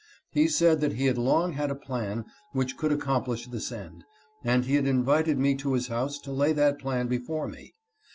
He said that 340 HIS PLANS. he had long had a plan which could accomplish this end, and he had invited me to his house to lay that plan before me.